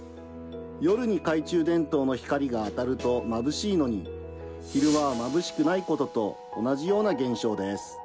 夜に懐中電灯の光が当たるとまぶしいのに昼間はまぶしくないことと同じような現象です。